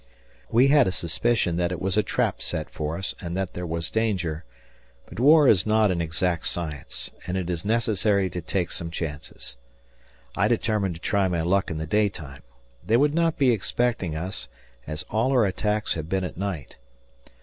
We had a suspicion that it was a trap set for us and that there was danger, but war is not an exact science, and it is necessary to take some chances. I determined to try my luck in the daytime they would not be expecting us, as all our attacks had been at night.